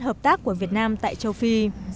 hợp tác của việt nam tại châu phi